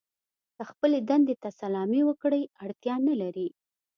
که خپلې دندې ته سلامي وکړئ اړتیا نه لرئ.